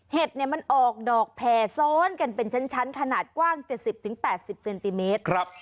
เห็ดมันออกดอกแผ่ซ้อนกันเป็นชั้นขนาดกว้าง๗๐๘๐เซนติเมตร